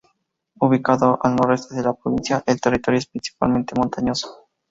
Ubicado al noroeste de la provincia, el territorio es principalmente montañoso.